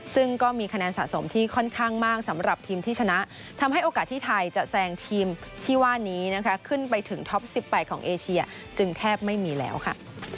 ซึ่งก็มีคะแนนสะสมที่ค่อนข้างมากสำหรับทีมที่ชนะทำให้โอกาสที่ไทยจะแซงทีมที่ว่านี้นะคะขึ้นไปถึงท็อป๑๘ของเอเชียจึงแทบไม่มีแล้วค่ะ